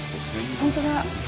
本当だ。